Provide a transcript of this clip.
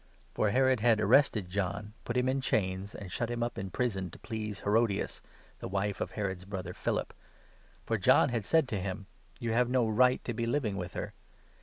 For Herod had arrested John, put him in chains, and shut him up in prison, to please Herodias, the wife of Herod's brother Philip. For John had said to him ' You have no right to be living with her.'